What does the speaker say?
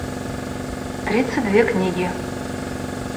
тридцать две книги